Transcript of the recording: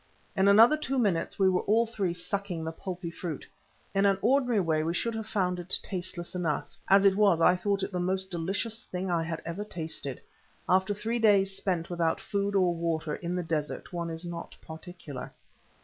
In another two minutes we were all three sucking the pulpy fruit. In an ordinary way we should have found it tasteless enough: as it was I thought it the most delicious thing I had ever tasted. After three days spent without food or water, in the desert, one is not particular.